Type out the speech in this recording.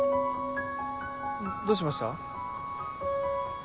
どうしました？